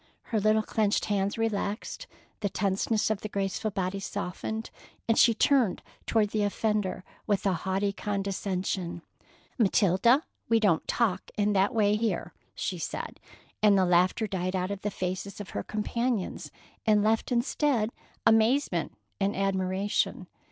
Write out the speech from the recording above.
Her little clenched hands relaxed, the tenseness of the graceful body softened, and she turned toward the offender with a haughty condescension: "Matilda, we don't talk in that way here," she said, and the laughter died out of the faces of her companions and left instead amazement and admiration.